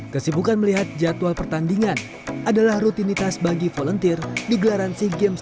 kesibukan melihat jadwal pertandingan adalah rutinitas bagi volunteer di gelaran sea games dua ribu